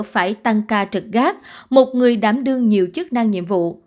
phải tăng ca trực gác một người đảm đương nhiều chức năng nhiệm vụ